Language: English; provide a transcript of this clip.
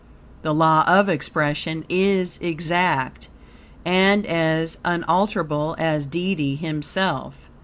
The law of expression is exact, and as unalterable as Deity Himself.